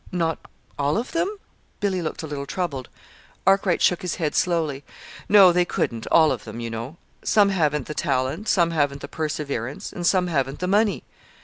"Not all of them?" Billy looked a little troubled. Arkwright shook his head slowly. "No. They couldn't all of them, you know. Some haven't the talent, some haven't the perseverance, and some haven't the money."